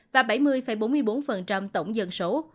và bảy mươi bốn mươi bốn tổng dân số